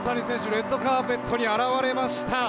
レッドカーペットに現れました。